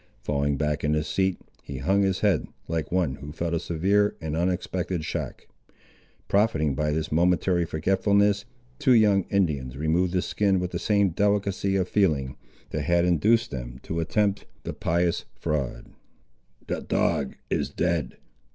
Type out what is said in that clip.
Falling back in his seat, he hung his head, like one who felt a severe and unexpected shock. Profiting by this momentary forgetfulness, two young Indians removed the skin with the same delicacy of feeling, that had induced them to attempt the pious fraud. "The dog is dead!"